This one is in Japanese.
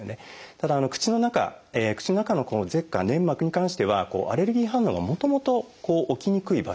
ただ口の中の舌下粘膜に関してはアレルギー反応がもともと起きにくい場所。